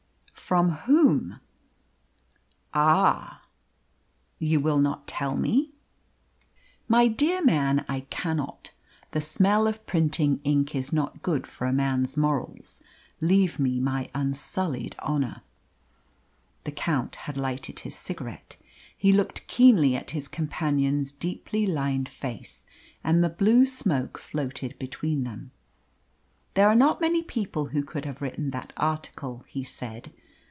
"From whom?" "Ah!" "You will not tell me?" "My dear man, I cannot. The smell of printing ink is not good for a man's morals. Leave me my unsullied honour." The Count had lighted his cigarette. He looked keenly at his companion's deeply lined face, and the blue smoke floated between them. "There are not many people who could have written that article," he said.